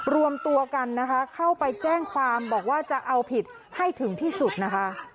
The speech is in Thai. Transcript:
รวมตัวกันนะคะเข้าไปแจ้งความบอกว่าจะเอาผิดให้ถึงที่สุดนะคะ